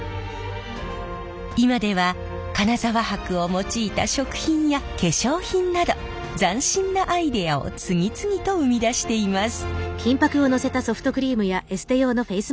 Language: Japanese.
今では金沢箔を用いた食品や化粧品など斬新なアイデアを次々と生み出しています。